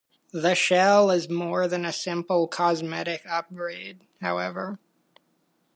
The shell is more than a simple cosmetic upgrade, however.